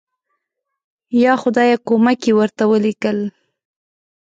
یا خدایه کومک یې ورته ولیکل.